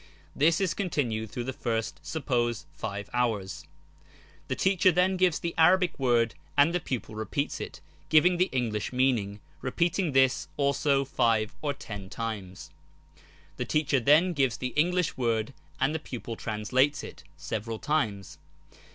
This is continued through the first, suppose, five hours. The teacher then gives the Arabic word and the pupil repeats it, giving tlie English meaning, repeating this also five or ten times. The teacher then gives the English word and the pupil translates it, several times.